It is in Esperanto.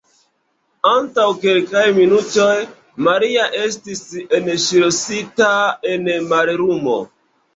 Antaŭ kelkaj minutoj, Maria estis enŝlosita en mallumo.